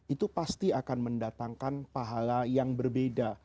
itu pasti akan mendatangkan pahala yang berbeda